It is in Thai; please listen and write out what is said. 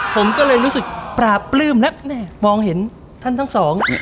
ผมก็เลยรู้สึกปราบปลื้มแล้วแม่มองเห็นท่านทั้งสอง